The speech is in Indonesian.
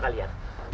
apa kalian ada